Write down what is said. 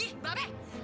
iya ba bea